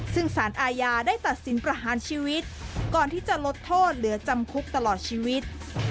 ซึ่งสารอาญาได้ตัดสินประหารชีวิตก่อนที่จะลดโทษเหลือจำคุกตลอดชีวิต